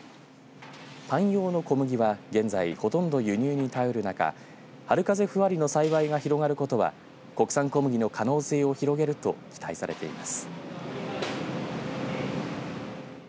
パン用の小麦は現在ほとんど輸入に頼る中はる風ふわりの栽培が広がることは国産小麦の可能性を広げると期待されています。